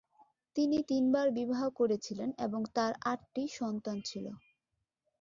তিনি তিনবার বিবাহ করেছিলেন এবং তার আট টি সন্তান ছিল।